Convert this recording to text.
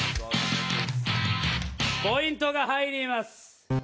ポイントが入ります。